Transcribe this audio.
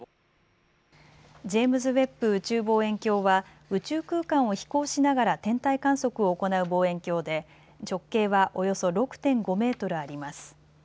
ジェームズ・ウェッブ宇宙望遠鏡は宇宙空間を飛行しながら天体観測を行う望遠鏡で直径はおよそ６．５メートルあります。